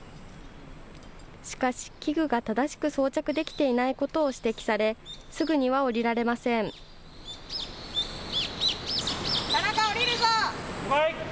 しかし、器具が正しく装着できていないことを指摘され、すぐには降りられ田中、降りるぞ。